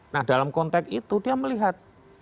nah dalam konteks itu dia melihat